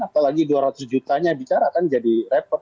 apalagi dua ratus juta nya bicara kan jadi repot